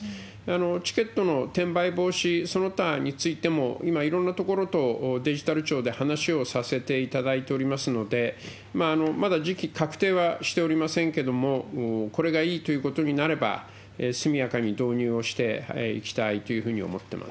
チケットの転売防止、その他についても、今、いろんなところとデジタル庁で話をさせていただいておりますので、まだ時期確定はしておりませんけれども、これがいいということになれば、速やかに導入をしていきたいというふうに思ってます。